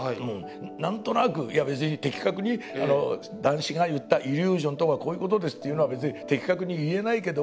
何となくいや別に的確に談志が言ったイリュージョンとはこういうことですっていうのは別に的確に言えないけども。